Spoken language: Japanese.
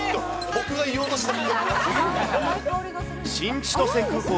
僕が言おうとした情報。